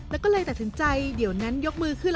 แล้วก็เลยตัดสินใจเดี๋ยวนั้นยกมือขึ้น